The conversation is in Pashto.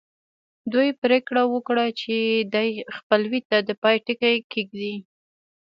دوی پرېکړه وکړه چې دې خپلوۍ ته د پای ټکی ږدي